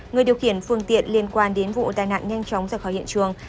người điều khiển phương tiện liên quan đến vụ tai nạn nhanh chóng ra khỏi hiện trường